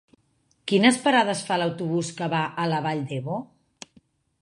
Quines parades fa l'autobús que va a la Vall d'Ebo?